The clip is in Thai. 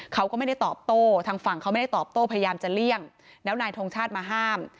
เขาก็ไม่ได้ตอบโต้ทางฝั่งเขาไม่ได้ตอบโต้พยายามจะเลี่ยงแล้วนายทงชาติมาห้าม